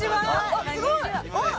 あっすごい！